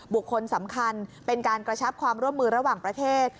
บุคคลสำคัญเป็นการกระชับความร่วมมือระหว่างประเทศ